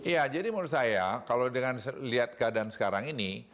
ya jadi menurut saya kalau dengan lihat keadaan sekarang ini